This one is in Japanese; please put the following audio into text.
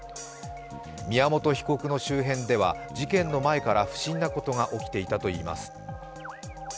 宮本被告の周辺では事件の前から不審なことが起きていたといいます。